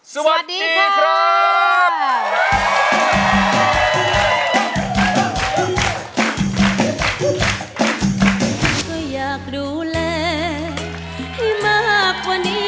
สวัสดีครับ